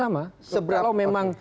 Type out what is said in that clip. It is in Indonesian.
ya mari kita sama sama